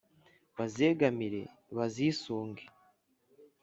bazegamire: bazisunge